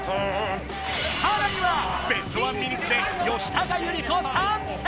さらにはベストワンミニッツで吉高由里子参戦！